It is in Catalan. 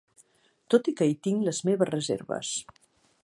Tot i que hi tinc les meves reserves.